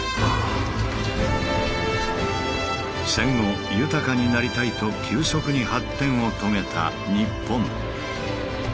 戦後豊かになりたいと急速に発展を遂げたニッポン。